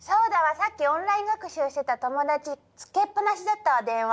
さっきオンライン学習してた友達つけっ放しだったわ電話。